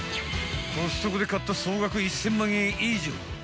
コストコで買った総額１０００万円以上。